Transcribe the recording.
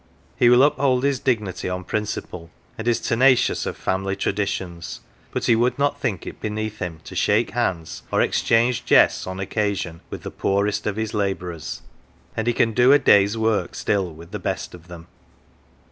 He will uphold his dignity on principle, and is tenacious of family traditions ; but he would not think it beneath him to shake hands or exchange jests, on occasion, with the poorest of his labourers, and he can do a day's work still with the best of them.